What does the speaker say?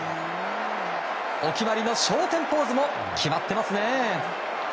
お決まりの昇天ポーズも決まってますね。